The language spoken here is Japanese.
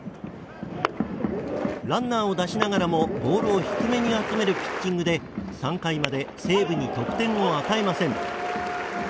ランナーを出しながらもボールを低めに集めるピッチングで３回まで西武に得点を与えません。